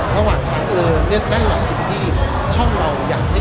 ละหวะถ้าเอิ่นนี่ใ